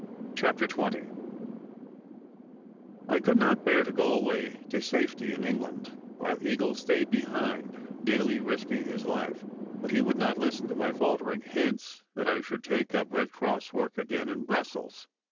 CHAPTER XX I COULD not bear to go away to safety in England while Eagle stayed behind, daily risking his life. But he would not listen to my faltering hints that I should take up Red Cross work again in Brussels.